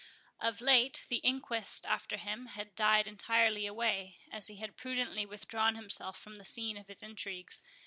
Of late, the inquest after him had died entirely away, as he had prudently withdrawn himself from the scene of his intrigues.